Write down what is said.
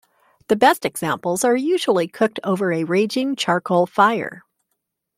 The best examples are usually cooked over a raging charcoal fire.